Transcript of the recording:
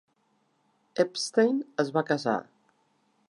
Epstein es va casar.